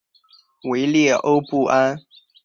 维列欧布安。